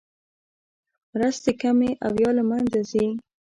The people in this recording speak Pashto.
مرستې کمې او یا له مینځه ځي.